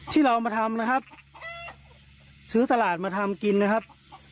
ที่เราเอามาทำนะครับซื้อตลาดมาทำกินนะครับ